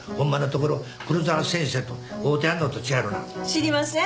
知りません。